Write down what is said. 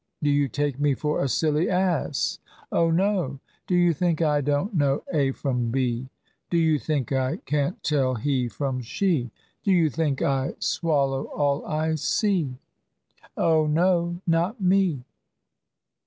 Do you take me for a silly ass! Oh no! Do you think I don't know A from B! Do you think I can't tell he from she! Do you think I swallow all I see? Oh no not me!